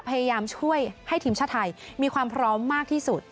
พยายามช่วยให้ทีมชาติไทยมีความพร้อมมากที่สุด